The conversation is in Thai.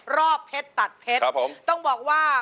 รอบเพชตัดเพชต้องบอกว่า